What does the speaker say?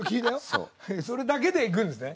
それだけでいくんですね？